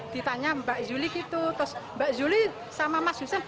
ditanya mbak zuli gitu terus mbak zuli sama mas hussein